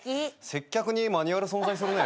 接客にマニュアル存在するね。